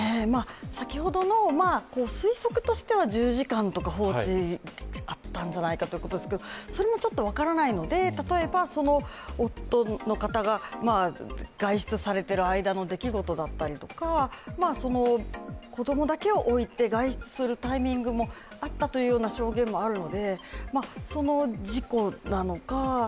先ほどの推測としては１０時間とか放置があったんじゃないかということですが、それもちょっと分からないので、例えば夫の方が外出されている間の出来事だったりとか子供だけを置いて外出するタイミングもあったという最新のニュースから伝えします。